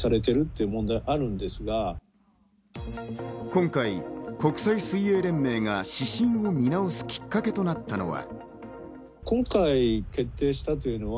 今回、国際水泳連盟が指針を見直すきっかけとなったのは。